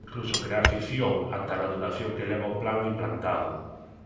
Incluso crear ficción ata na duración que leva o plan implantado.